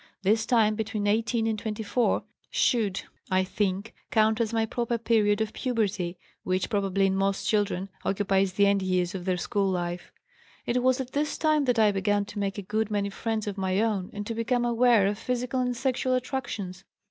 This time between 18 and 24 should, I think, count as my proper period of puberty, which probably in most children occupies the end years of their school life. "It was at this time that I began to make a good many friends of my own and to become aware of psychical and sexual attractions.